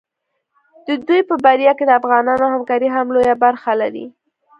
د دوی په بریا کې د افغانانو همکاري هم لویه برخه لري.